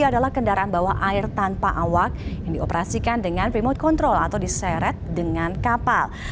adalah kendaraan bawah air tanpa awak yang dioperasikan dengan remote control atau diseret dengan kapal